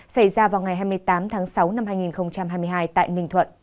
xảy ra vào ngày hai mươi tám tháng sáu năm hai nghìn hai mươi hai tại ninh thuận